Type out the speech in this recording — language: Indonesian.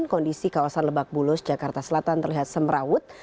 kondisi kawasan lebak bulus jakarta selatan terlihat semrawut